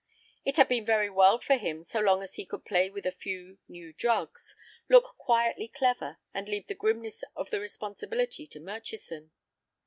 It had been very well for him so long as he could play with a few new drugs, look quietly clever, and leave the grimness of the responsibility to Murchison.